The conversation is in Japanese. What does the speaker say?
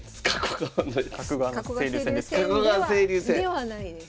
ではないです。